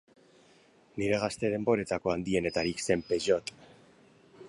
Nire gazte denboretako handienetarik zen Peugeot.